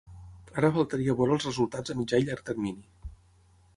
Ara faltaria veure els resultats a mitjà i llarg termini.